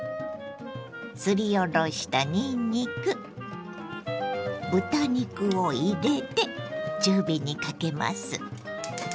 すりおろしたにんにく豚肉を入れて中火にかけます。